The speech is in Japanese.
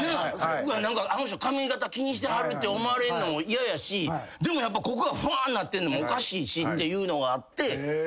うわっあの人髪形気にしてはるって思われんのも嫌やしでもここがファーなってんのもおかしいしっていうのがあって。